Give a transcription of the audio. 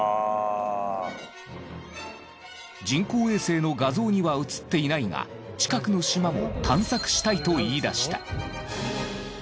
人工衛星の画像には映っていないが近くの島も探索したいと言い出した。